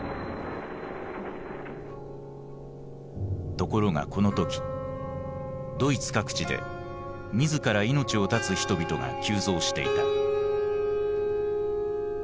ところがこの時ドイツ各地で自ら命を絶つ人々が急増していた。